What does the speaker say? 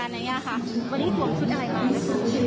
วันนี้ถ่วงชุดอะไรมานะคะ